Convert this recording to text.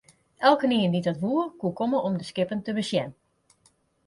Elkenien dy't dat woe, koe komme om de skippen te besjen.